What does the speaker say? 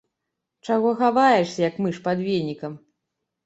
Чаго хаваешся, як мыш пад венікам?